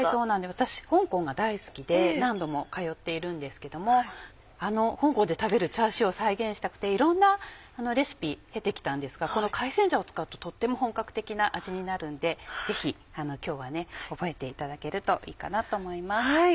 私香港が大好きで何度も通っているんですけどもあの香港で食べるチャーシューを再現したくていろんなレシピ経て来たんですがこの海鮮醤を使うととっても本格的な味になるのでぜひ今日は覚えていただけるといいかなと思います。